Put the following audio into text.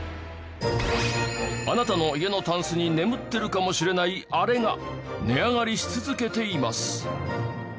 あなたの家のタンスに眠ってるかもしれないアレが値上がりし続けています。